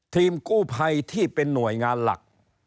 ทีมกู้ภัยที่เป็นหน่วยงานหลัก